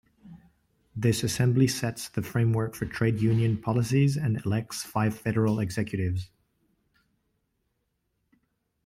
This assembly sets the framework for trade union policies and elects five Federal Executives.